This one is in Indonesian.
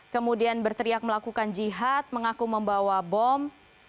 kemudian berteriak melakukan jihad mengaku membawa bom